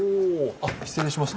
あっ失礼します。